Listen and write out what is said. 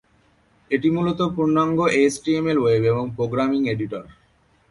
এটি মূলত পূর্ণাঙ্গ এইচটিএমএল ওয়েব এবং প্রোগ্রামিং এডিটর।